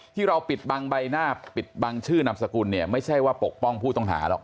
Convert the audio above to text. ที่เราปิดบังใบหน้าปิดบังชื่อนามสกุลเนี่ยไม่ใช่ว่าปกป้องผู้ต้องหาหรอก